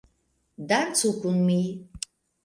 Dancu kun mi!